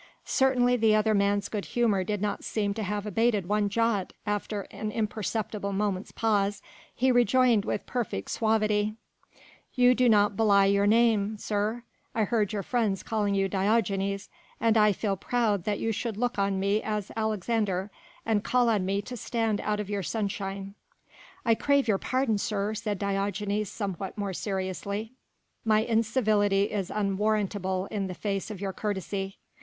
Certainly the other man's good humour did not seem to have abated one jot; after an imperceptible moment's pause, he rejoined with perfect suavity: "You do not belie your name, sir, I heard your friends calling you Diogenes, and I feel proud that you should look on me as Alexander and call on me to stand out of your sunshine." "I crave your pardon, sir," said Diogenes somewhat more seriously, "my incivility is unwarrantable in the face of your courtesy.